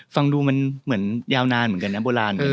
ฟังดูมันเหมือนยาวนานเหมือนกันนะโบราณ